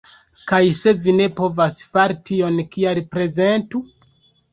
Kaj se vi ne povas fari tion kial prezentu?